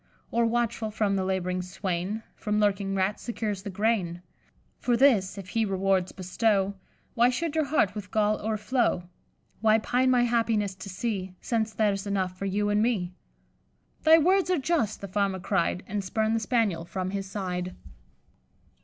Or, watchful for the lab'ring swain, From lurking rats secures the grain? For this, if he rewards bestow, Why should your heart with gall o'erflow? Why pine my happiness to see, Since there's enough for you and me?' 'Thy words are just,' the Farmer cried, And spurned the Spaniel from his side."